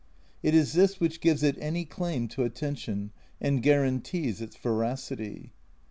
It is this which gives it any claim to attention, and guarantees its veracity.